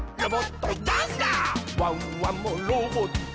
「ワンワンもロボット」